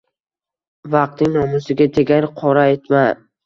vaqtning nomusiga tegar qoraytma